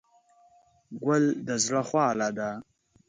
ګل د زړه خواله ده.